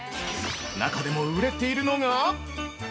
中でも売れているのが◆